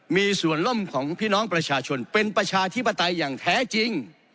มีส่วนล่มของพี่น้องประชาชนเป็นประชาธิปไตยอย่างแท้จริง